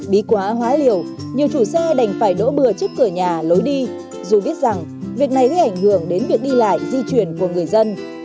bí quá hóa liều nhiều chủ xe đành phải đỗ bừa trước cửa nhà lối đi dù biết rằng việc này gây ảnh hưởng đến việc đi lại di chuyển của người dân